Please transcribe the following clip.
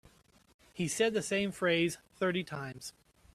He said the same phrase thirty times.